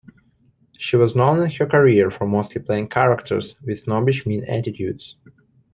She was known in her career for mostly playing characters with snobbish mean attitudes.